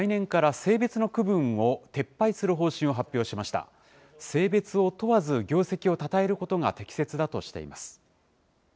性別を問わず、業績をたたえることが適切だとしています。